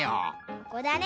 ここだね！